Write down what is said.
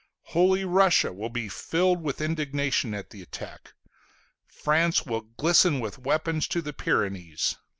"Holy Russia" will be filled with indignation at the attack. France will glisten with weapons to the Pyrenees.